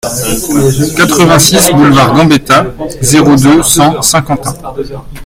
quatre-vingt-six boulevard Gambetta, zéro deux, cent, Saint-Quentin